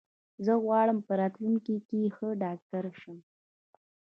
زه غواړم په راتلونکې کې ښه ډاکټر شم.